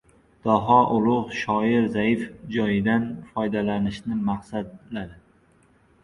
Daho ulug‘ shoir zaif joyidan foydalanishni maqsadladi.